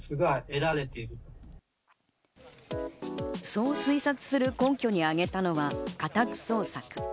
そう推察する根拠に挙げたのは家宅捜索。